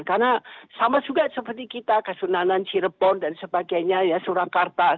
karena sama juga seperti kita kasunanan cirebon dan sebagainya surakarta